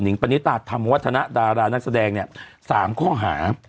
งปณิตาธรรมวัฒนะดารานักแสดงเนี่ย๓ข้อหา